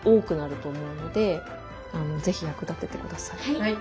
はい。